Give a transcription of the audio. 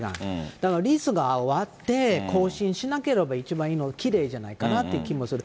だからリースが終わって、更新しなければ一番きれいじゃないかなって気もする。